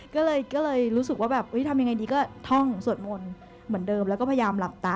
ก็เลยรู้สึกว่าแบบทำยังไงดีก็ท่องสวดมนต์เหมือนเดิมแล้วก็พยายามหลับตา